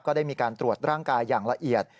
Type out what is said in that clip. ได้มีการตรวจร่างกายอย่างละเอียด